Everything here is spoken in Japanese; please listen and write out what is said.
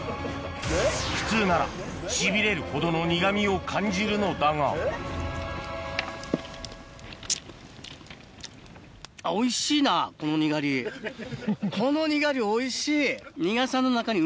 普通ならしびれるほどの苦味を感じるのだがこのニガリおいしい！